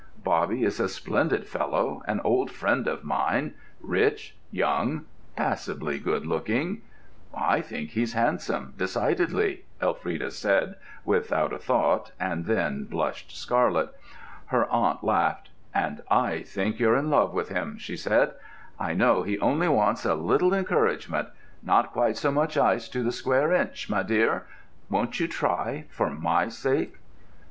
Bobby is a splendid fellow, an old friend of mine, rich, young, passably good looking——" "I think he's handsome, decidedly," Elfrida said, without a thought, and then blushed scarlet. Her aunt laughed. "And I think you're in love with him," she said. "I know he only wants a little encouragement—not quite so much ice to the square inch, my dear! Won't you try, for my sake?"